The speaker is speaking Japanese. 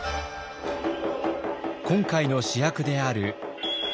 今回の主役である能。